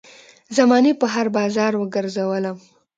زمانې په هـــــر بازار وګرځــــــــــولم